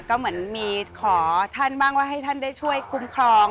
ก็เหมือนมีขอท่านบ้างว่าให้ท่านได้ช่วยคุ้มครอง